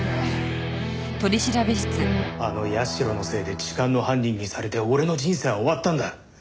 あの八代のせいで痴漢の犯人にされて俺の人生は終わったんだ。